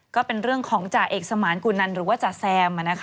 ก็เป็นเรื่องของจ่าเอกสมานกุนันหรือว่าจ๋าแซม